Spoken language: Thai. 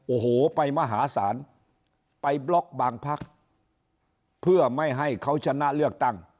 โอ้โหไปมหาศาลไปบล็อกบางพักเพื่อไม่ให้เขาชนะเลือกตั้ง